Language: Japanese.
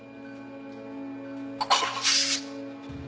殺す。